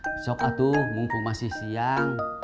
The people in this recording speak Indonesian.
besok aku mumpung masih siang